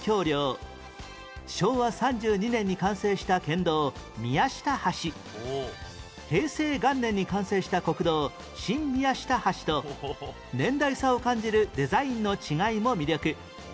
昭和３２年に完成した県道宮下橋平成元年に完成した国道新宮下橋と年代差を感じるデザインの違いも魅力